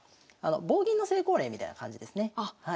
棒銀の成功例みたいな感じですね。